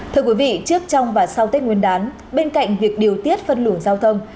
thưa quý vị trước trong và sau tết nguyên đán bên cạnh việc điều tiết phân luồng giao thông